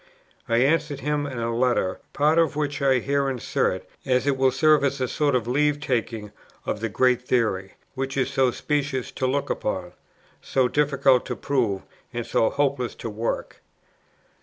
I answered him in a letter, part of which I here insert, as it will serve as a sort of leave taking of the great theory, which is so specious to look upon, so difficult to prove, and so hopeless to work.